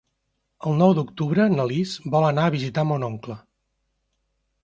El nou d'octubre na Lis vol anar a visitar mon oncle.